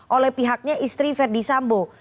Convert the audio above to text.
oleh pihaknya istri verdi sambo